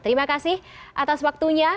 terima kasih atas waktunya